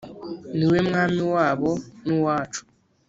ni We Mwami wabo n'uwacu.